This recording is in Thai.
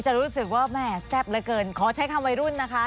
รู้สึกว่าแม่แซ่บเหลือเกินขอใช้คำวัยรุ่นนะคะ